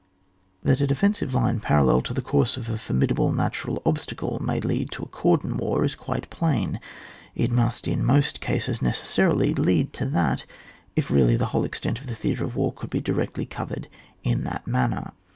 That a defensive line parallel to the course of a formidable natural obstacle may lead to a cordon war is quite plain. It must, in most cases, necessarily lead to that if really the whole extent of the theatre of war could be directly covered in that manner.